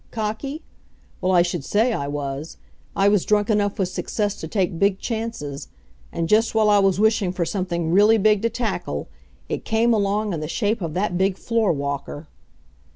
Cocky? Well, I should say I was. I was drunk enough with success to take big chances. And just while I was wishing for something really big to tackle, it came along in the shape of that big floor walker!